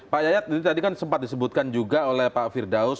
pak yayat ini tadi kan sempat disebutkan juga oleh pak firdaus